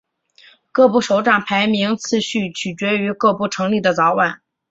各部首长排名次序取决于各部成立的早晚。